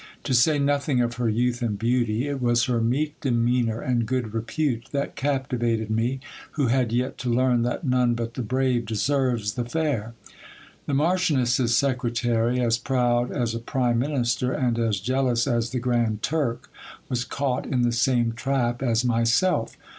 To say nothing of her youth and beauty, i t was her meek demeanour and good repute that captivated me, who had yet to learn that none but the brave deserves the fair. The marchioness's secretary, as proud as a prime minister, and as jealous as the Grand Turk, was caught in the same trap as myself.